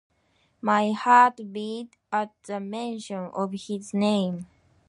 My heart beat at the mention of his name.